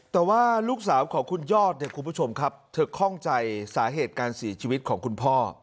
แต่ว่าลูกสาวของคุณยอดเนี่ยคุณผู้ชมครับเธอคล่องใจสาเหตุการเสียชีวิตของคุณพ่อ